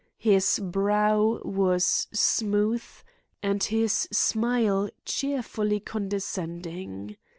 His brow was smooth and his smile cheerfully condescending.